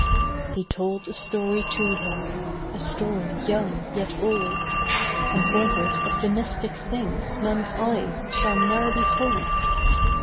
He told a story to her, A story young yet old And was it of the mystic things Men's eyes shall ne'er behold?